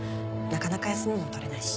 なかなか休みも取れないし。